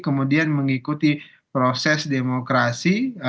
kemudian mengikuti proses demokrasi